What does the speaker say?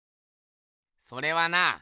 それはな